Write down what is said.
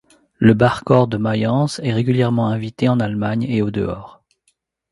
Le Bachchor de Mayence est régulièrement invité en Allemagne et au dehors.